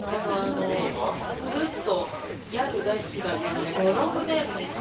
ずっとギャル大好きだったのでこのロングネイルにしか。